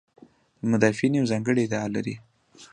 مدافعین یوه ځانګړې ادعا لري.